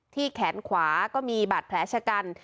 ที่แขนขวาก็มีบัตรแผลชะกัน